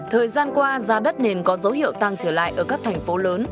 thời gian qua giá đất nền có dấu hiệu tăng trở lại ở các thành phố lớn